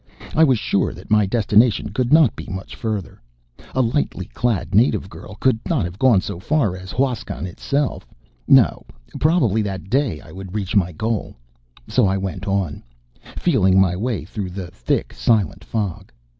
I was sure that my destination could not be much further. A lightly clad native girl could not have gone so far as Huascan itself. No, probably that day I would reach my goal. So I went on, feeling my way through the thick silent fog.